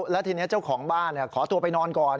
แล้วทีนี้เจ้าของบ้านขอตัวไปนอนก่อน